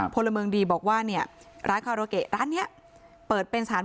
พลเมืองดีบอกว่าเนี่ยร้านคาราเกะร้านนี้เปิดเป็นสถาน